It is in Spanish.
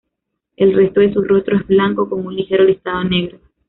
El resto de su rostro es blanco con un ligero listado negro.